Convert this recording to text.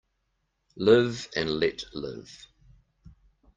Live and let live.